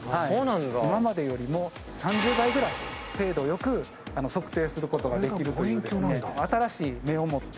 今までよりも３０倍ぐらい精度よく測定することができるというですね。